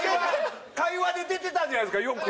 会話で出てたじゃないですかよく！